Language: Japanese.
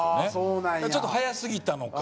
ちょっと早すぎたのか。